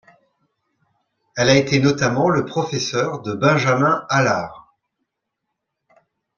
Elle a été notamment le professeur de Benjamin Alard.